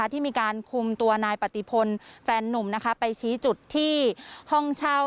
ที่มีการคุมตัวนายปฏิพลแฟนนุ่มไปชี้จุดที่ห้องเช่า